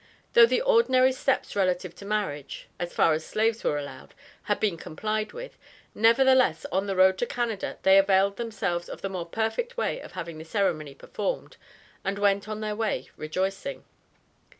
Though the ordinary steps relative to marriage, as far as slaves were allowed, had been complied with, nevertheless on the road to Canada, they availed themselves of the more perfect way of having the ceremony performed, and went on their way rejoicing.